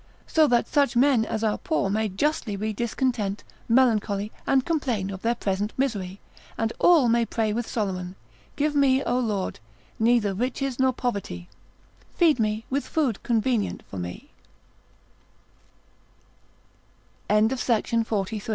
So that such men as are poor may justly be discontent, melancholy, and complain of their present misery, and all may pray with Solomon, Give me, O Lord, neither riches nor poverty; feed me with food convenient for m